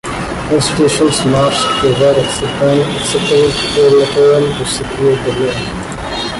Institutions must provide acceptable collateral to secure the loan.